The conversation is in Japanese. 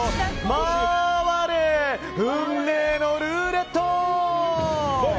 回れ、運命のルーレット！